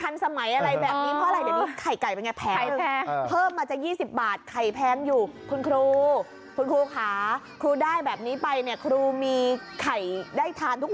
นี่เห็นไหมถ้าเกิดมันตะ